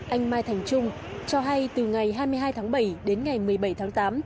anh mai thành trung cho hay từ ngày hai mươi hai tháng bảy đến ngày một mươi bảy tháng tám